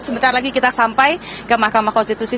sebentar lagi kita sampai ke mahkamah konstitusi